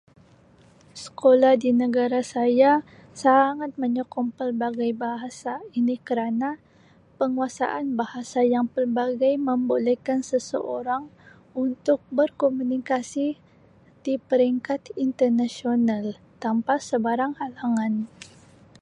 "Sekolah di negara saya sangat menyokong pelbagai bahasa ini kerana penguasaan bahasa yang pelbagai membolehkan seseorang untuk berkomunikasi di peringkat ""international"" tanpa sebarang halangan."